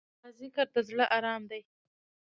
د الله ذکر، د زړه ارام دی.